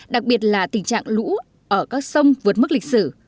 đặc biệt là tình trạng lũ ở các sông vượt mức lịch sử